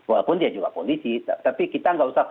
walaupun dia juga polisi tapi kita nggak usah